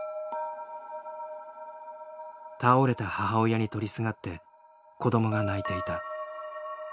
倒れた母親に取りすがって子供が泣いていた。